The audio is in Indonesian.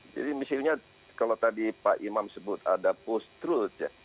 jadi misalnya kalau tadi pak imam sebut ada post truth